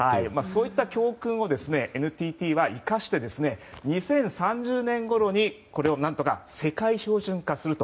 そうした教訓をＮＴＴは生かして２０３０年ごろに世界標準化すると。